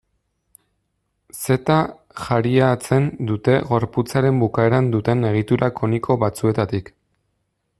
Zeta jariatzen dute gorputzaren bukaeran duten egitura koniko batzuetatik.